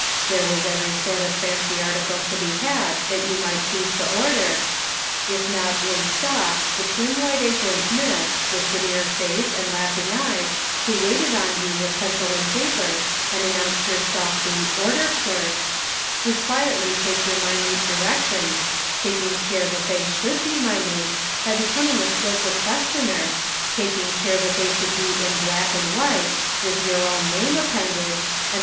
There was every sort of fancy article to be had that you might choose to order ; if not " in stock," the trim white aproned miss, with de mure face and laughing eyes who waited on you with pencil arid paper, and announced her self the " order clark," would quietly take your minute directions, taking care that they should be minute by becoming a skillful questioner, taking care that they should be in black and white, with your own name appended, and the 324 The Pocket Measure.